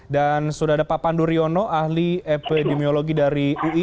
dan sudah ada pak pandu riono ahli epidemiologi dari ui